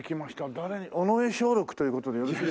誰に尾上松緑という事でよろしいでしょうか。